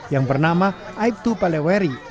yang bernama aibtu palaweri